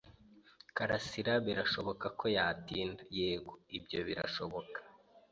"Karasirabirashoboka ko yatinda." "Yego, ibyo birashoboka."